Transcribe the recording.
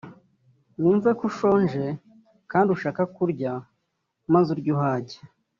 wumve ko ushonje kandi ushaka kurya maze urye uhage